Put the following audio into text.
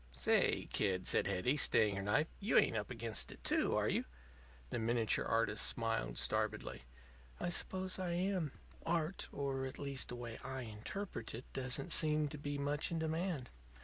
"Say, kid," said Hetty, staying her knife, "you ain't up against it, too, are you?" The miniature artist smiled starvedly. "I suppose I am. Art or, at least, the way I interpret it doesn't seem to be much in demand.